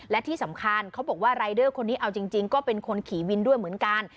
และที่สำคัญเขาบอกว่ารายเดอร์คนนี้เอาจริงก็เป็นคนขี่วินด้วยเหมือนกัน